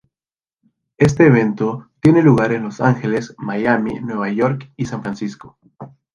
Este evento tiene lugar en Los Ángeles, Miami, Nueva York y San Francisco.